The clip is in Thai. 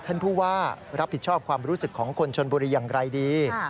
ท่านผู้ว่ารับผิดชอบความรู้สึกของคนชนบุรีอย่างไรดี